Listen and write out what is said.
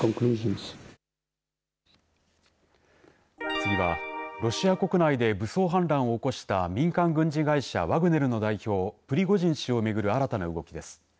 次はロシア国内で武装反乱を起こした民間軍事会社ワグネルの代表プリゴジン氏を巡る新たな動きです。